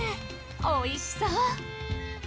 おいしそう！